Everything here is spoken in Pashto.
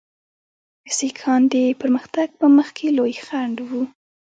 سیکهان د پرمختګ په مخ کې لوی خنډ وو.